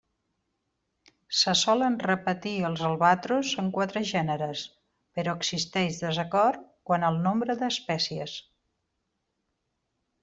Se solen repartir els albatros en quatre gèneres, però existeix desacord quant al nombre d'espècies.